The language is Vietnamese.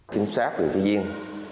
trinh sát thì tự nhiên